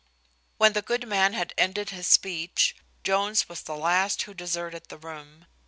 When the good man had ended his speech, Jones was the last who deserted the room.